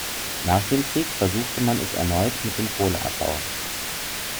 Nach dem Krieg versuchte man es erneut mit dem Kohlenabbau.